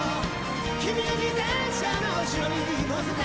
「君の自転車の後ろに乗せて」